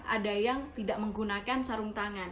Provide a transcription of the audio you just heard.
ada yang tidak menggunakan sarung tangan